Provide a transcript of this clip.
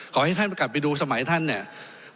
ขอให้ท่านกลับไปดูสมัยท่านเนี่ย